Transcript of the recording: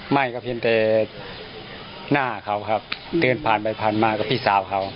ไม่ก็เพียงแต่หน้าเขาครับเดินผ่านไปผ่านมากับพี่สาวเขา